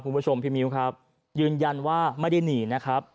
คุณผู้ชมพี่มิ้วครับยืนยันว่าไม่ได้หนีนะครับ